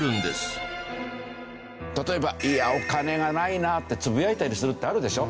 例えば「お金がないな」ってつぶやいたりするってあるでしょ。